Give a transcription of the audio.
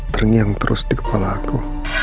terngiang terus di kepala aku